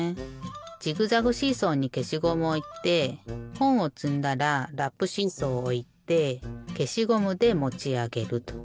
ジグザグシーソーにけしゴムをおいてほんをつんだらラップシーソーをおいてけしゴムでもちあげると。